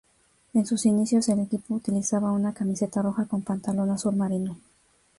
En sus inicios, el equipo utilizaba una camiseta roja con pantalón azul marino.